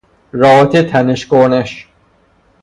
رابطه تنش-کرنش